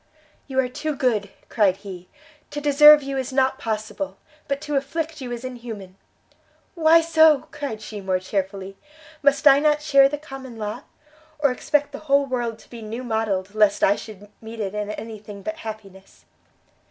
"You are too good!" cried he; "to deserve you is not possible, but to afflict you is inhuman!" "Why so?" cried she, more chearfully; "must I not share the common lot? or expect the whole world to be new modelled, lest I should meet in it any thing but happiness?"